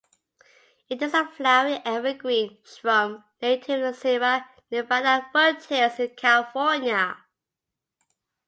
It is a flowering evergreen shrub native to the Sierra Nevada foothills in California.